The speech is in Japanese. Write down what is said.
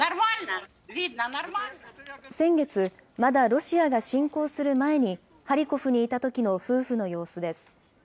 先月、まだロシアが侵攻する前に、ハリコフにいたときの夫婦の様子です。